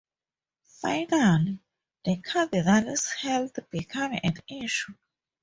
Finally, the Cardinal's health became an issue.